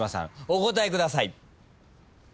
お答えください。